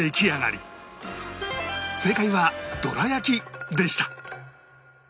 正解はどら焼きでした